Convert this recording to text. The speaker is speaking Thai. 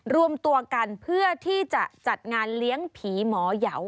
รวมตัวกันเพื่อที่จะจัดงานเลี้ยงผีหมอยาว